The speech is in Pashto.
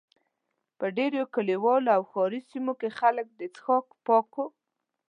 په ډېرو کلیوالو او ښاري سیمو کې خلک د څښاک پاکو.